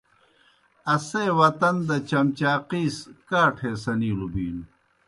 اسے وطن دہ چمچاقِیس کاٹھے سنِیلوْ بِینوْ۔